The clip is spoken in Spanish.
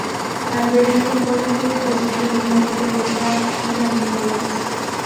Al ver esto, Hollywood decidió que no podía dejar ir a Nicholas.